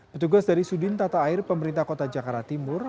petugas dari sudin tata air pemerintah kota jakarta timur